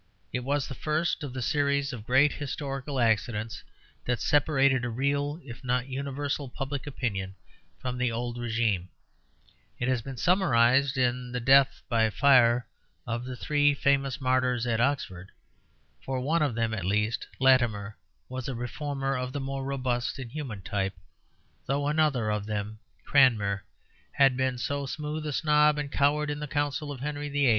It was the first of the series of great historical accidents that separated a real, if not universal, public opinion from the old régime. It has been summarized in the death by fire of the three famous martyrs at Oxford; for one of them at least, Latimer, was a reformer of the more robust and human type, though another of them, Cranmer, had been so smooth a snob and coward in the councils of Henry VIII.